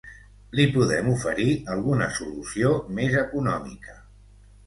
Li podem oferir alguna solució més econòmica.